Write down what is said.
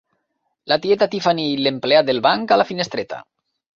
La tieta Tiffany i l'empleat del banc a la finestreta.